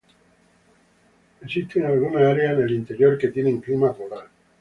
Existen algunas áreas en el interior que tienen clima polar.